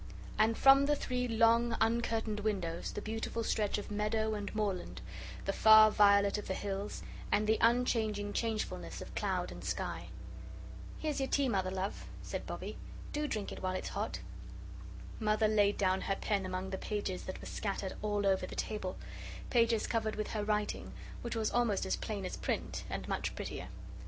And from the three long uncurtained windows the beautiful stretch of meadow and moorland, the far violet of the hills, and the unchanging changefulness of cloud and sky. "Here's your tea, Mother love," said Bobbie; "do drink it while it's hot." Mother laid down her pen among the pages that were scattered all over the table, pages covered with her writing, which was almost as plain as print, and much prettier.